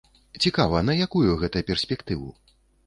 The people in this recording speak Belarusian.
Цікава, на якую гэта перспектыву?